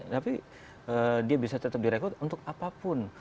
tapi dia bisa tetap di rekrut untuk apapun